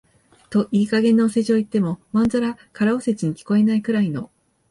といい加減なお世辞を言っても、まんざら空お世辞に聞こえないくらいの、